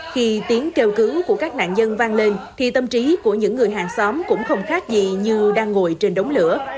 khi tiếng kêu cứu của các nạn nhân vang lên thì tâm trí của những người hàng xóm cũng không khác gì như đang ngồi trên đống lửa